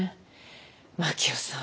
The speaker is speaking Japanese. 真樹夫さん